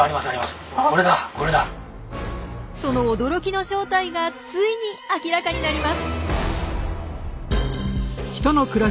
その驚きの正体がついに明らかになります。